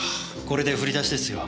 これでふりだしですよ。